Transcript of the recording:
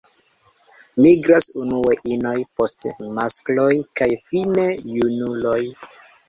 Migras unue inoj, poste maskloj kaj fine junuloj.